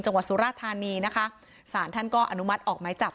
สุราธานีนะคะสารท่านก็อนุมัติออกไม้จับ